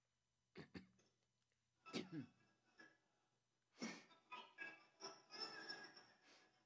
Polisi walipiga kambi usiku wa Ijumaa katika eneo ambako kiongozi